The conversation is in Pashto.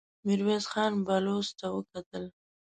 ميرويس خان بلوڅ ته وکتل.